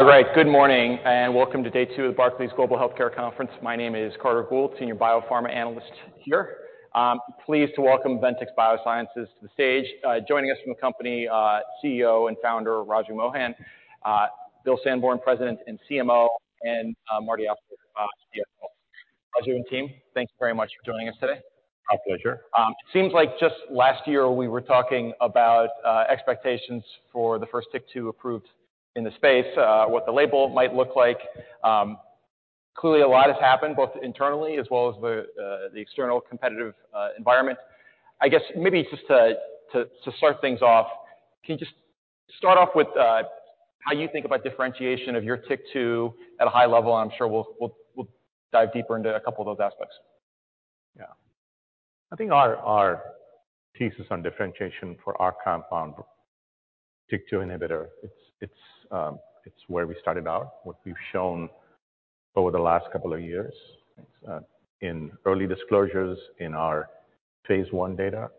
All right. Good morning. Welcome to day two of the Barclays Global Healthcare Conference. My name is Carter Gould, Senior Biopharma Analyst here. I'm pleased to welcome Ventyx Biosciences to the stage. Joining us from the company, CEO and Founder, Raju Mohan. William Sandborn, President and CMO, and Martin Auster, CFO. Raju and team, thank you very much for joining us today. My pleasure. Seems like just last year we were talking about expectations for the first TYK2 approved in the space, what the label might look like. Clearly a lot has happened, both internally as well as the external competitive environment. I guess maybe just to start things off, can you just start off with how you think about differentiation of your TYK2 at a high level? I'm sure we'll dive deeper into a couple of those aspects. Yeah. I think our thesis on differentiation for our compound, TYK2 inhibitor, it's where we started out, what we've shown over the last couple of years, in early disclosures in our phase I data,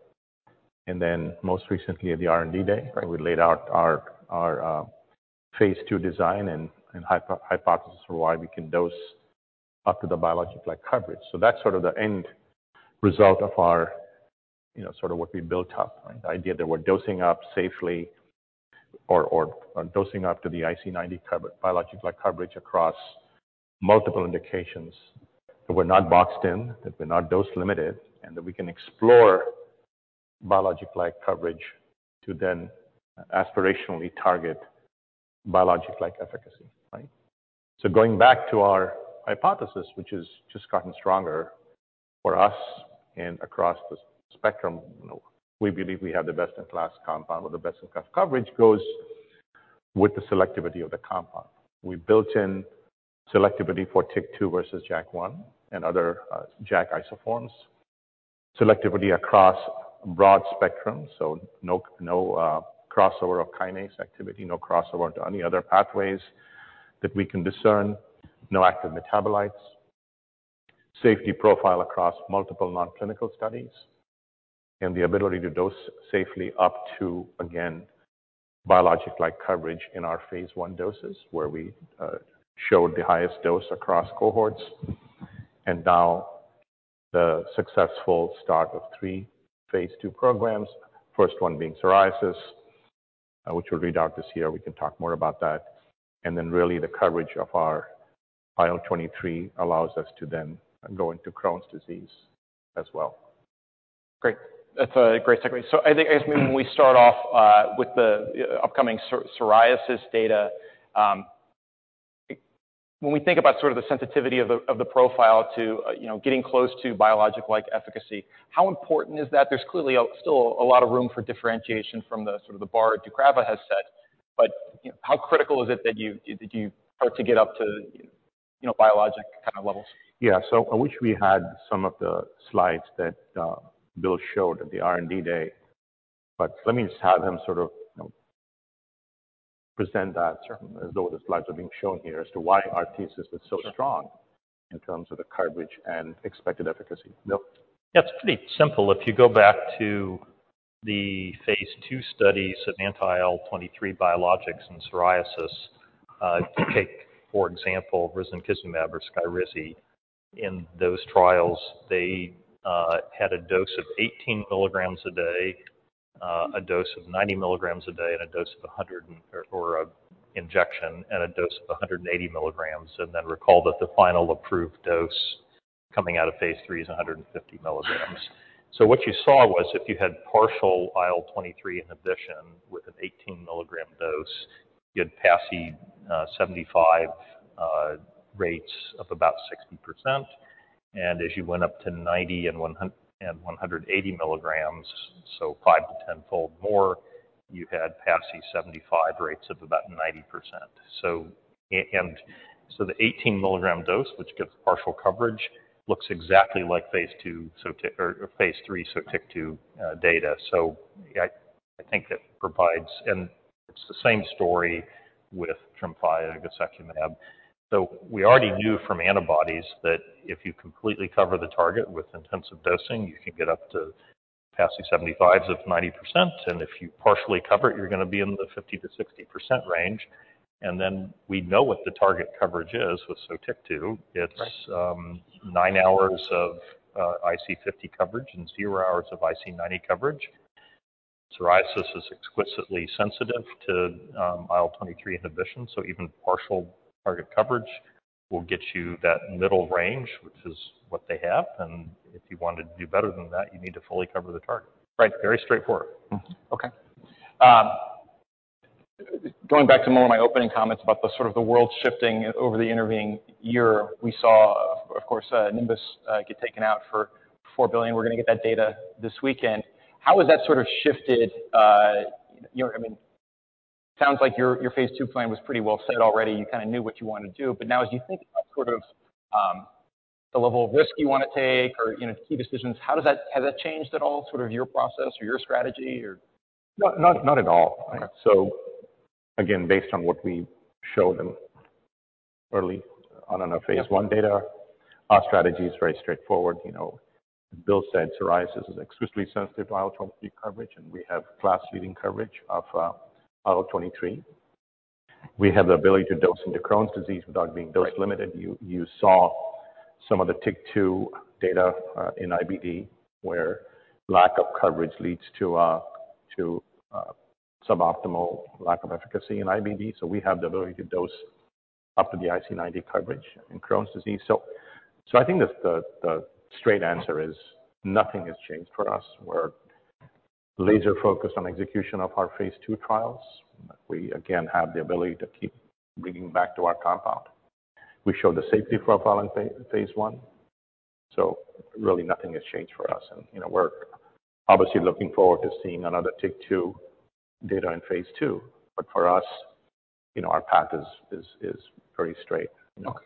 and then most recently at the R&D Day. Where we laid out our phase II design and hypothesis for why we can dose up to the biologic-like coverage. That's sort of the end result of our, you know, sort of what we built up. The idea that we're dosing up safely or dosing up to the IC90 biologic-like coverage across multiple indications, that we're not boxed in, that we're not dose limited, and that we can explore biologic-like coverage to then aspirationally target biologic-like efficacy, right? Going back to our hypothesis, which has just gotten stronger for us and across the spectrum, you know, we believe we have the best-in-class compound or the best-in-class coverage goes with the selectivity of the compound. We built in selectivity for TYK2 versus JAK1 and other JAK isoforms. Selectivity across a broad spectrum, so no crossover of kinase activity, no crossover to any other pathways that we can discern. No active metabolites. Safety profile across multiple non-clinical studies, and the ability to dose safely up to, again, biologic-like coverage in our phase I doses, where we showed the highest dose across cohorts. Now the successful start of three phase II programs, first one being psoriasis, which we'll read out this year. We can talk more about that. Really the coverage of our IL-23 allows us to then go into Crohn's disease as well. Great. That's a great segue. I think, I guess maybe we start off with the upcoming psoriasis data. When we think about sort of the sensitivity of the profile to, you know, getting close to biologic-like efficacy, how important is that? There's clearly a, still a lot of room for differentiation from the sort of the bar deucravacitinib has set, but how critical is it that you start to get up to, you know, biologic kind of levels? Yeah. I wish we had some of the slides that Bill showed at the R&D Day. Let me just have him sort of, you know, present that as though the slides are being shown here as to why our thesis is so strong- in terms of the coverage and expected efficacy. Bill? Yes, it's pretty simple. If you go back to the phase II studies of anti-IL-23 biologics in psoriasis, if you take, for example, risankizumab or Skyrizi, in those trials, they had a dose of 18 mg a day, a dose of 90 mg a day, and a dose of 180 mg, and then recall that the final approved dose coming out of phase III is 150 mg. What you saw was if you had partial IL-23 inhibition with an 18-mg dose, you had PASI 75 rates of about 60%. As you went up to 90 and 180 mg, so five to 10-fold more, you had PASI 75 rates of about 90%. The 18 mg dose, which gives partial coverage, looks exactly like phase II or phase III Sotyktu data. I think that provides. It's the same story with Tremfya, Guselkumab. We already knew from antibodies that if you completely cover the target with intensive dosing, you can get up to PASI 75s of 90%. If you partially cover it, you're gonna be in the 50%-60% range. We know what the target coverage is with Sotyktu. It's nine hours of IC50 coverage and zero hours of IC90 coverage. Psoriasis is exquisitely sensitive to IL-23 inhibition, so even partial target coverage will get you that middle range, which is what they have. If you want to do better than that, you need to fully cover the target. Right. Very straightforward. Okay. Going back to more of my opening comments about the sort of the world shifting over the intervening year, we saw of course, Nimbus get taken out for $4 billion. We're gonna get that data this weekend. How has that sort of shifted your? I mean, sounds like your phase II plan was pretty well set already. You kinda knew what you wanted to do. Now as you think about sort of, the level of risk you wanna take or, you know, key decisions, how has that changed at all, sort of your process or your strategy or? No, not at all. Again, based on what we showed early on in our phase I data, our strategy is very straightforward. You know, Bill said psoriasis is exquisitely sensitive to IL-12p40 coverage, and we have class-leading coverage of IL-23. We have the ability to dose into Crohn's disease without being dose-limited. You saw some of the TYK2 data in IBD, where lack of coverage leads to suboptimal lack of efficacy in IBD. We have the ability to dose up to the IC90 coverage in Crohn's disease. I think the straight answer is nothing has changed for us. We're laser-focused on execution of our phase II trials. We again have the ability to keep reading back to our compound. We showed the safety profile in phase I, really nothing has changed for us. You know, we're obviously looking forward to seeing another TYK2 data in phase II. For us, you know, our path is very straight, you know. Okay.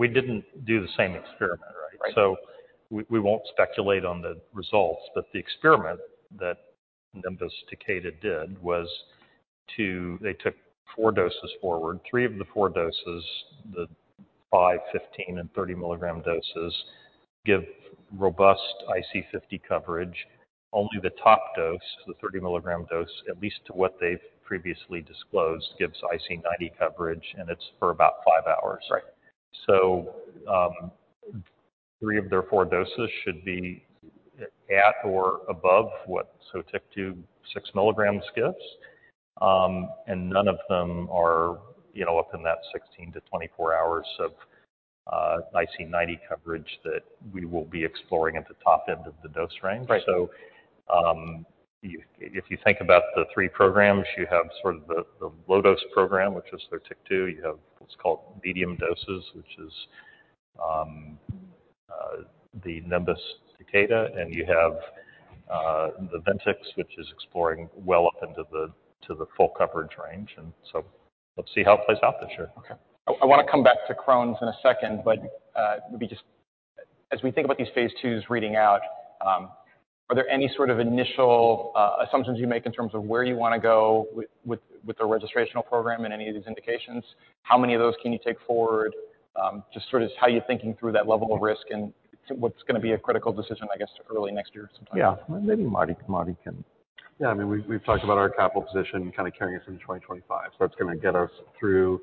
We didn't do the same experiment, right? Right. We won't speculate on the results, but the experiment that Nimbus Takeda did was to... They took four doses forward. Three of the four doses, the five, 15, and 30-mg doses, give robust IC50 coverage. Only the top dose, the 30-mg dose, at least to what they've previously disclosed, gives IC90 coverage, and it's for about five hours. Right. Three of their four doses should be at or above what, so TYK2 6 mg gives. None of them are, you know, up in that 16 to 24 hours of IC90 coverage that we will be exploring at the top end of the dose range. Right. If you think about the three programs, you have sort of the low-dose program, which is their TYK2. You have what's called medium doses, which is the Nimbus Takeda. You have the Ventyx, which is exploring well up into the, to the full coverage range. Let's see how it plays out this year. Okay. I wanna come back to Crohn's in a second, let me just. As we think about these phase II's reading out, are there any sort of initial assumptions you make in terms of where you wanna go with the registrational program in any of these indications? How many of those can you take forward? Just sort of how you're thinking through that level of risk and what's gonna be a critical decision, I guess, early next year sometime. Yeah. Maybe Martin can. Yeah. I mean, we've talked about our capital position kinda carrying us into 2025. That's gonna get us through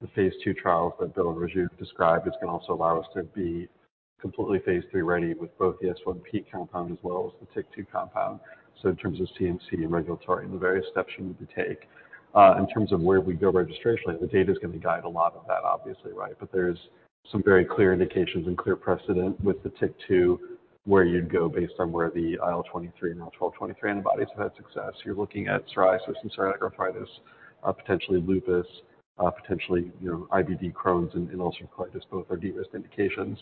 the phase II trials that Bill and Raju described. It's gonna also allow us to be completely phase III-ready with both the S1P compound as well as the TYK2 compound. In terms of CMC and regulatory and the various steps you need to take. In terms of where we go registrationally, the data's gonna guide a lot of that obviously, right? There's some very clear indications and clear precedent with the TYK2, where you'd go based on where the IL-23, now 12/23 antibodies have had success. You're looking at psoriasis and psoriatic arthritis, potentially lupus, potentially, you know, IBD Crohn's and ulcerative colitis. Both are de-risked indications.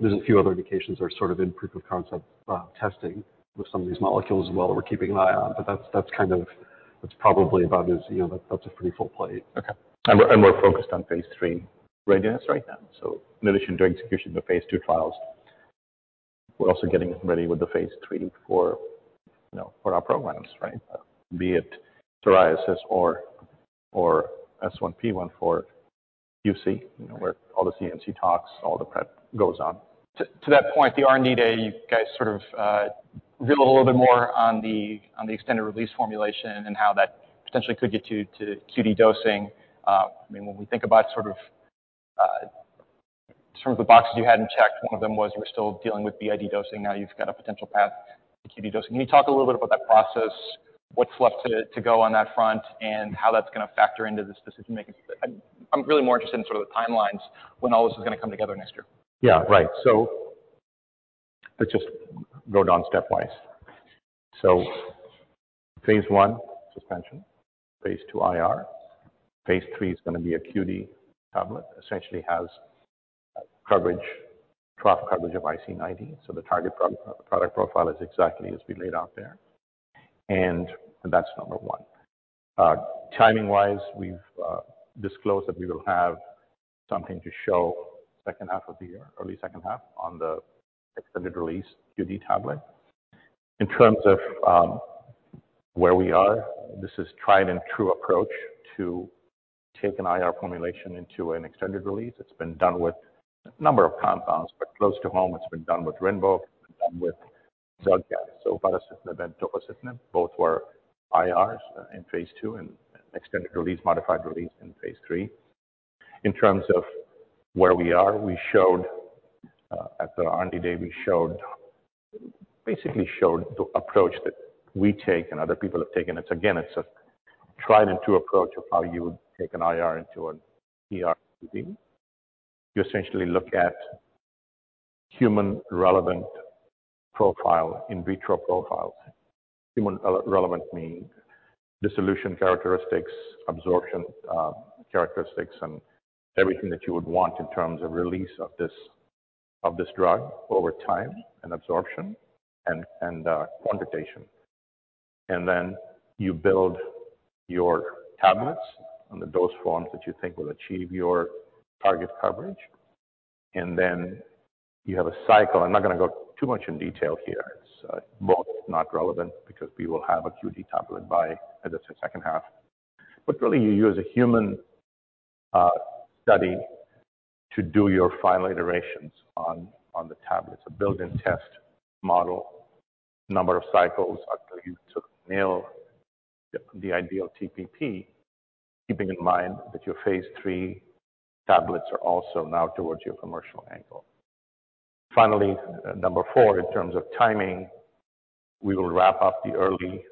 There's a few other indications that are sort of in proof of concept, testing with some of these molecules as well that we're keeping an eye on. That's kind of... That's probably about as, you know, that's a pretty full plate. Okay. We're focused on phase III readiness right now. In addition to execution of the phase II trials, we're also getting ready with the phase III for, you know, for our programs, right? Be it psoriasis or S1P1 for UC, you know, where all the CMC talks, all the prep goes on. To that point, the R&D Day, you guys sort of revealed a little bit more on the extended release formulation and how that potentially could get to QD dosing. I mean, when we think about sort of the boxes you hadn't checked, one of them was you were still dealing with BID dosing. Now you've got a potential path to QD dosing. Can you talk a little bit about that process, what's left to go on that front, and how that's gonna factor into this decision-making? I'm really more interested in sort of the timelines when all this is gonna come together next year. Yeah. Right. Let's just go down stepwise. phase I, suspension. phase II, IR. phase III is gonna be a QD tablet. Essentially has coverage, trough coverage of IC90. The target pro-product profile is exactly as we laid out there. That's number one. Timing-wise, we've disclosed that we will have something to show second half of the year, early second half, on the extended release QD tablet. In terms of where we are, this is tried and true approach to take an IR formulation into an extended release. It's been done with a number of compounds, but close to home, it's been done with RINVOQ, it's been done with Xeljanz. Baricitinib and tofacitinib both were IRs in phase II and extended release, modified release in phase III. In terms of where we are, we showed at the R&D Day, the approach that we take and other people have taken. It's again, it's a tried and true approach of how you would take an IR into an ER QD. You essentially look at human relevant profile, in vitro profiles. Human relevant meaning dissolution characteristics, absorption, characteristics, and everything that you would want in terms of release of this drug over time and absorption and quantification. Then you build your tablets on the dose forms that you think will achieve your target coverage. You have a cycle. I'm not going to go too much in detail here. It's both not relevant because we will have a QD tablet by the second half. Really you use a human study to do your final iterations on the tablets, a build and test model, number of cycles after you took nail the ideal TPP, keeping in mind that your phase III tablets are also now towards your commercial angle. Number four, in terms of timing, we will wrap up the early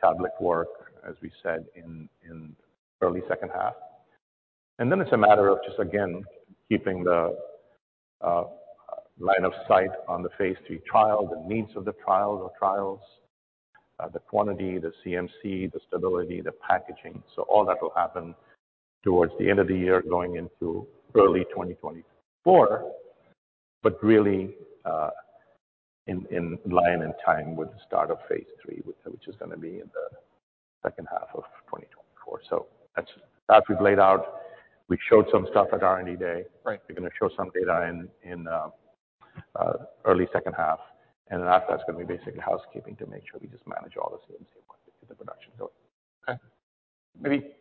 tablet work, as we said, in early second half. It's a matter of just, again, keeping the line of sight on the phase III trial, the needs of the trial or trials, the quantity, the CMC, the stability, the packaging. All that will happen towards the end of the year going into early 2024. Really, in line and time with the start of phase III, which is going to be in the second half of 2024. That we've laid out. We showed some stuff at R&D Day. Right. We're going to show some data in early second half. Then after that's going to be basically housekeeping to make sure we just manage all the CMC work to get the production going. Okay. Maybe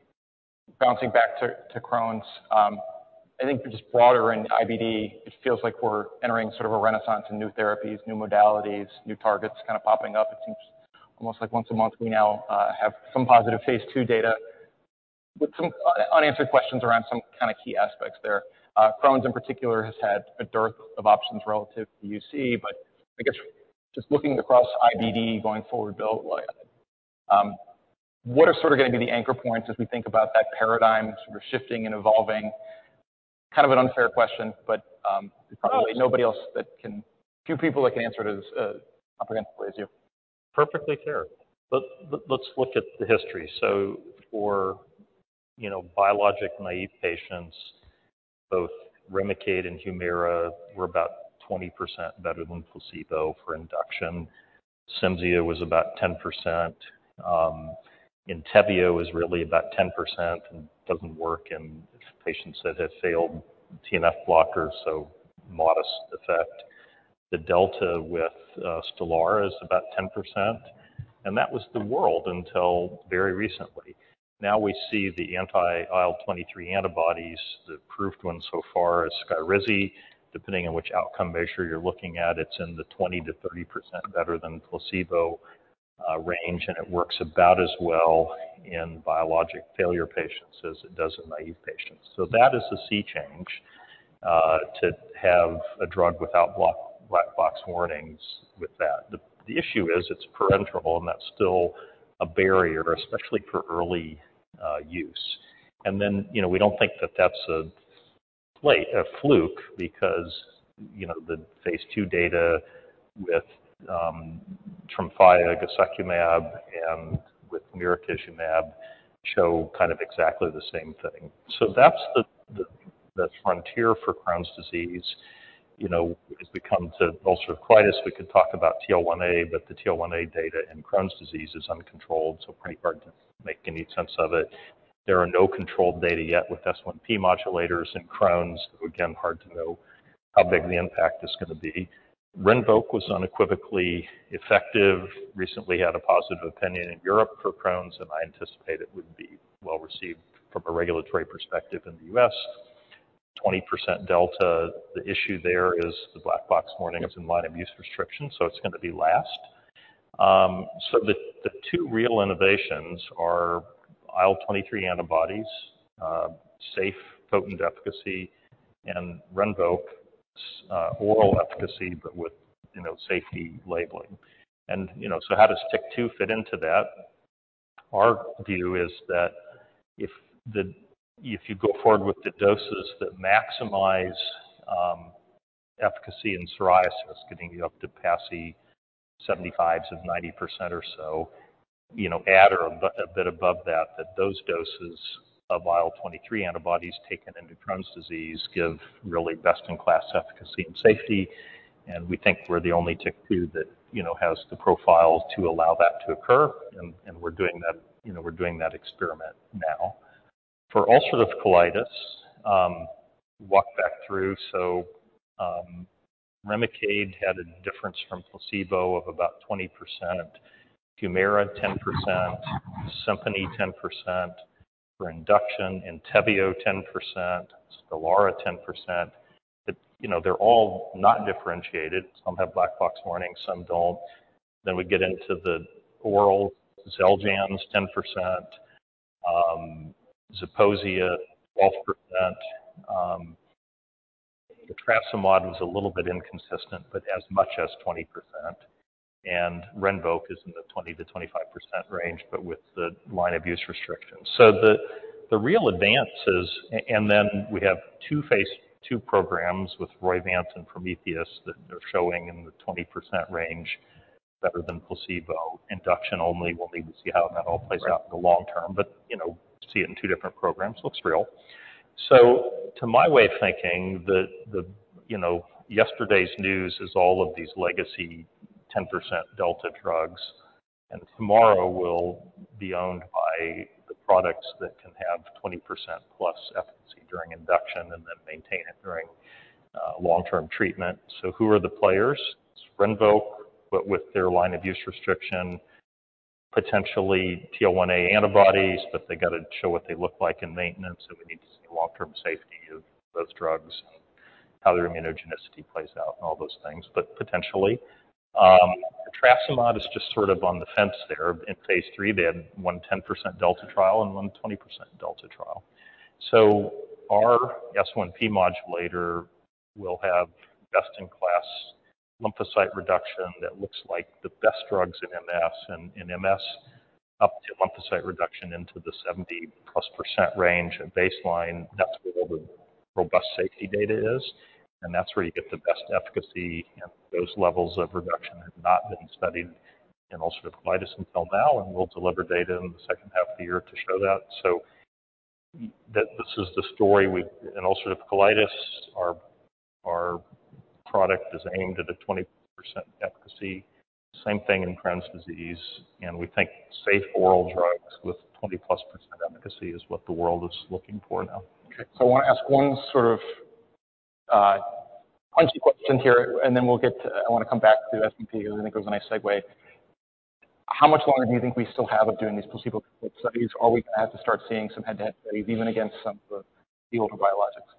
bouncing back to Crohn's, I think just broader in IBD, it feels like we're entering sort of a renaissance in new therapies, new modalities, new targets kind of popping up. It seems almost like once a month we now have some positive phase II data with some unanswered questions around some kind of key aspects there. Crohn's in particular has had a dearth of options relative to UC, but I guess just looking across IBD going forward, Bill, what are sort of going to be the anchor points as we think about that paradigm sort of shifting and evolving? Kind of an unfair question, but there's probably nobody else that can few people that can answer it as comprehensively as you. Perfectly fair. Let's look at the history. For, you know, biologic naive patients, both REMICADE and HUMIRA were about 20% better than placebo for induction. CIMZIA was about 10%. ENTYVIO is really about 10% and doesn't work in patients that have failed TNF blockers, so modest effect. The delta with STELARA is about 10%. That was the world until very recently. We see the anti-IL-23 antibodies. The proved one so far is SKYRIZI. Depending on which outcome measure you're looking at, it's in the 20%-30% better than placebo range, and it works about as well in biologic failure patients as it does in naive patients. That is a sea change to have a drug without black box warnings with that. The issue is it's parenteral, and that's still a barrier, especially for early use. You know, we don't think that that's a fluke because, you know, the phase II data with Tremfya, guselkumab, and with mirikizumab show kind of exactly the same thing. That's the frontier for Crohn's disease. You know, as we come to ulcerative colitis, we could talk about TL1A, but the TL1A data in Crohn's disease is uncontrolled, so pretty hard to make any sense of it. There are no controlled data yet with S1P modulators in Crohn's. Again, hard to know how big the impact is going to be. RINVOQ was unequivocally effective, recently had a positive opinion in Europe for Crohn's, and I anticipate it would be well received from a regulatory perspective in the U.S. 20% delta. The issue there is the black box warning of last-line use restrictions, it's going to be last. The two real innovations are IL-23 antibodies, safe, potent efficacy, and RINVOQ's oral efficacy, with, you know, safety labeling. You know, how does TYK2 fit into that? Our view is that if you go forward with the doses that maximize efficacy in psoriasis, getting you up to PASI 75s of 90% or so, you know, at or a bit above that those doses of IL-23 antibodies taken into Crohn's disease give really best-in-class efficacy and safety. We think we're the only TYK2 that, you know, has the profile to allow that to occur. We're doing that, you know, we're doing that experiment now. For ulcerative colitis, walk back through. REMICADE had a difference from placebo of about 20%. HUMIRA, 10%. SIMPONI, 10%. For induction, ENTYVIO, 10%. STELARA, 10%. You know, they're all not differentiated. Some have black box warnings, some don't. We get into the oral XELJANZ, 10%. ZEPOSIA, 12%. The etrasimod is a little bit inconsistent, but as much as 20%. RINVOQ is in the 20%-25% range, but with the last-line use restrictions. We have two phase II programs with Roivant and Prometheus that are showing in the 20% range better than placebo. Induction only. We'll need to see how that all plays out in the long term. You know, see it in two different programs. Looks real. To my way of thinking, you know, yesterday's news is all of these legacy 10% delta drugs. Tomorrow will be owned by the products that can have 20% plus efficacy during induction and then maintain it during long-term treatment. Who are the players? It's RINVOQ, but with their line of use restriction, potentially TL1A antibodies, but they got to show what they look like in maintenance, and we need to see long-term safety of those drugs and how their immunogenicity plays out and all those things. Potentially, etrasimod is just sort of on the fence there. In phase III, they had 1 10% delta trial and 1 20% delta trial. Our S1P modulator will have best-in-class lymphocyte reduction that looks like the best drugs in MS. In MS, up to lymphocyte reduction into the 70%+ range at baseline. That's where all the robust safety data is, and that's where you get the best efficacy. Those levels of reduction have not been studied in ulcerative colitis until now, and we'll deliver data in the second half of the year to show that. This is the story with In ulcerative colitis, our product is aimed at a 20% efficacy. Same thing in Crohn's disease. We think safe oral drugs with 20%+ efficacy is what the world is looking for now. I want to ask one sort of punchy question here. I want to come back to S1P because I think it was a nice segue. How much longer do you think we still have of doing these placebo-controlled studies? Are we going to have to start seeing some head-to-head studies even against some of the older biologics?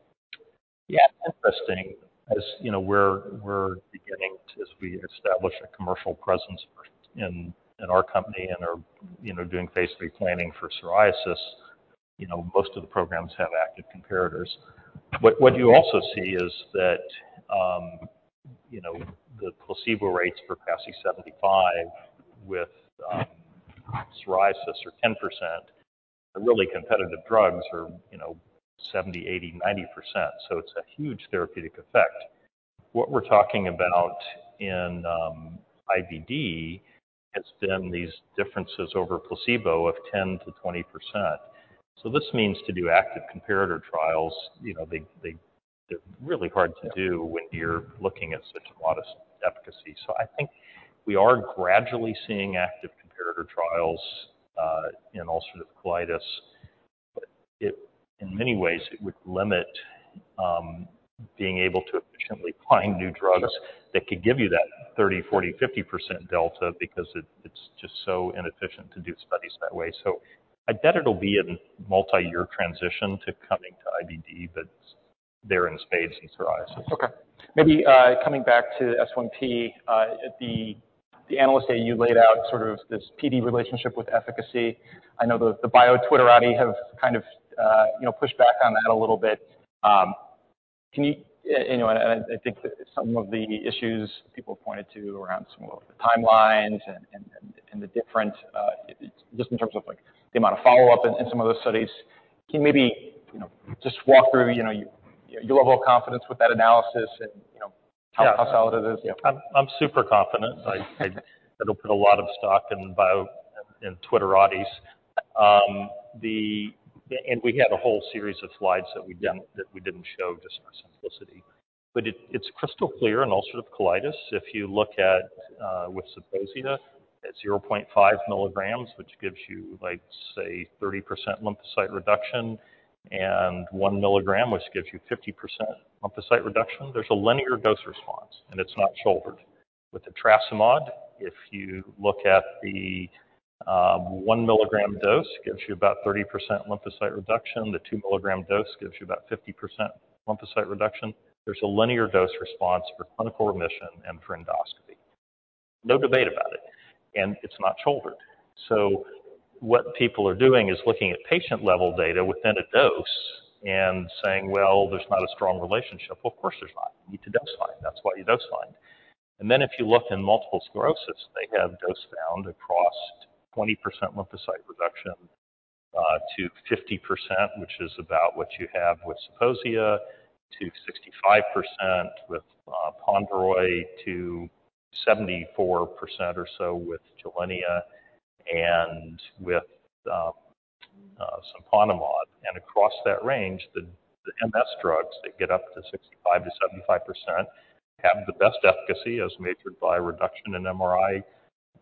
Interesting. As you know, we're beginning to, as we establish a commercial presence in our company and are, you know, doing phase III planning for psoriasis. You know, most of the programs have active comparators. What you also see is that, you know, the placebo rates for PASI 75 with psoriasis are 10%. The really competitive drugs are, you know, 70%, 80%, 90%. It's a huge therapeutic effect. What we're talking about in IBD has been these differences over placebo of 10%-20%. This means to do active comparator trials. You know, they're really hard to do when you're looking at such modest efficacy. I think we are gradually seeing active comparator trials in ulcerative colitis. It... In many ways, it would limit being able to efficiently find new drugs that could give you that 30%, 40%, 50% delta because it's just so inefficient to do studies that way. I bet it'll be a multi-year transition to coming to IBD, but they're in spades in psoriasis. Okay. Maybe, coming back to S1P, at the analyst day, you laid out sort of this PD relationship with efficacy. I know the bio Twitterati have kind of, you know, pushed back on that a little bit. Can you know, I think some of the issues people have pointed to around some of the timelines and the different, just in terms of, like, the amount of follow-up in some of those studies. Can you maybe, you know, just walk through, you know, your level of confidence with that analysis and, you know, how solid it is? Yeah. I'm super confident. I don't put a lot of stock in bio, in Twitteratis. We had a whole series of slides that we didn't show just for simplicity. It's crystal clear in ulcerative colitis, if you look at, with Zeposia at 0.5 mg, which gives you, like, say, 30% lymphocyte reduction, and 1 mg, which gives you 50% lymphocyte reduction. There's a linear dose response, it's not shouldered. With etrasimod, if you look at the, 1 mg dose gives you about 30% lymphocyte reduction. The 2 mg dose gives you about 50% lymphocyte reduction. There's a linear dose response for clinical remission and for endoscopy. No debate about it's not shouldered. What people are doing is looking at patient-level data within a dose and saying, "Well, there's not a strong relationship." Well, of course there's not. You need to dose find. That's why you dose find. If you look in multiple sclerosis, they have dose found across 20% lymphocyte reduction to 50%, which is about what you have with ZEPOSIA, to 65% with Ponvory to 74% or so with Gilenya and with siponimod. Across that range, the MS drugs that get up to 65%-75% have the best efficacy as measured by reduction in MRI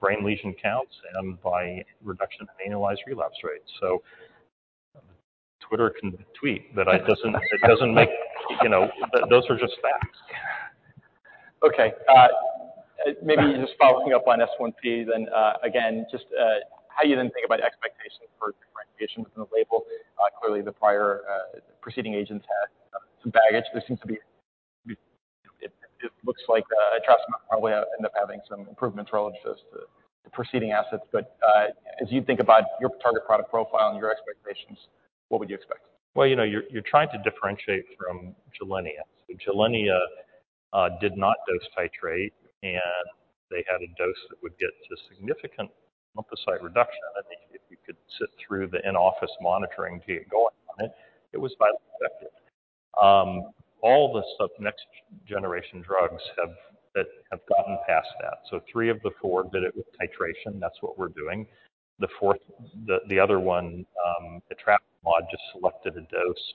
brain lesion counts and by reduction in annualized relapse rates. Twitter can tweet, but that doesn't make you know. Those are just facts. Okay, maybe just following up on S1P then, again, just how you then think about expectations for differentiation within the label. Clearly, the prior, preceding agents had some baggage. It looks like the etrasimod probably end up having some improvement relative to the preceding assets. As you think about your target product profile and your expectations, what would you expect? You know, you're trying to differentiate from Gilenya. Gilenya did not dose titrate, and they had a dose that would get to significant lymphocyte reduction. If you could sit through the in-office monitoring to get going on it was highly effective. All the next-generation drugs that have gotten past that. Three of the four did it with titration. That's what we're doing. The fourth, the other one, etrasimod, just selected a dose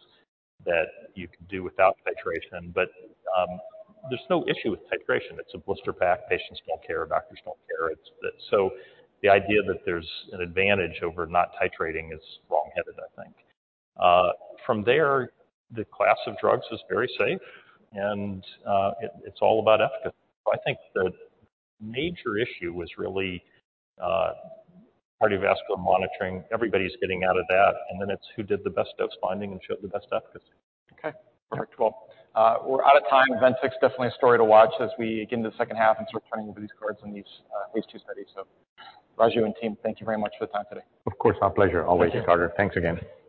that you could do without titration. There's no issue with titration. It's a blister pack. Patients don't care. Doctors don't care. The idea that there's an advantage over not titrating is wrong-headed, I think. From there, the class of drugs is very safe, and it's all about efficacy. I think the major issue was really cardiovascular monitoring. Everybody's getting out of that, and then it's who did the best dose finding and showed the best efficacy. Okay. Perfect. Well, we're out of time. Ventyx definitely a story to watch as we get into the second half and start turning over these cards in these two studies. Raju and team, thank you very much for the time today. Of course. My pleasure always, Carter. Thank you. Thanks again.